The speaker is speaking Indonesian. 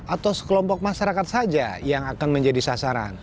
atau sekelompok masyarakat saja yang akan menjadi sasaran